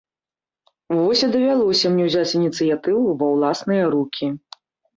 Вось і давялося мне ўзяць ініцыятыву ва ўласныя рукі.